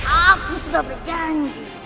aku sudah berjanji